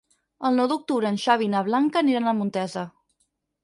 El nou d'octubre en Xavi i na Blanca aniran a Montesa.